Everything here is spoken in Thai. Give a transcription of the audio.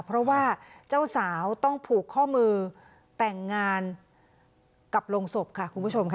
เพราะว่าเจ้าสาวต้องผูกข้อมือแต่งงานกับโรงศพค่ะคุณผู้ชมค่ะ